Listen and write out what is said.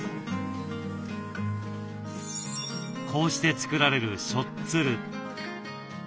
こうして作られる「しょっつる」。